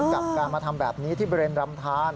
กับการมาทำแบบนี้ที่บริเวณรำทาน